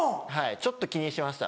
ちょっと気にしました。